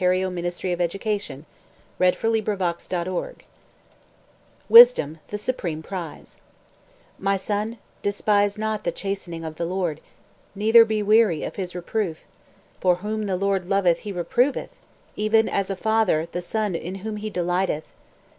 HUXLEY [Illustration: ONTARIO AGRICULTURAL COLLEGE] WISDOM THE SUPREME PRIZE My son, despise not the chastening of the LORD; Neither be weary of his reproof: For whom the LORD loveth he reproveth; Even as a father the son in whom he delighteth.